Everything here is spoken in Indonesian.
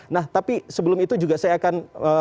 nah tapi sebelum itu juga saya akan